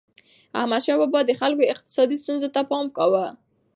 احمدشاه بابا به د خلکو اقتصادي ستونزو ته پام کاوه.